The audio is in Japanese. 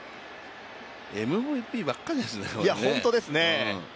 ＭＶＰばっかですね。